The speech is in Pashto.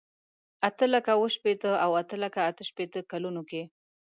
اته لکه اوه شپېته او اته لکه اته شپېته کلونو کې.